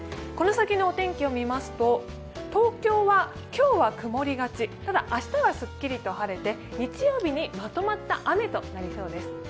この先のお天気を見ますと、東京は今日は曇りがち、ただ、明日はすっきりと晴れて日曜日にまとまった雨となりそうです。